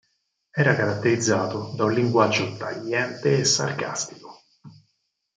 Era caratterizzato da un linguaggio tagliente e sarcastico.